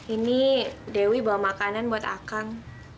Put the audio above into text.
ini dewi bawa makanan buat akang